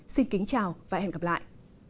xin kính chào và hẹn gặp lại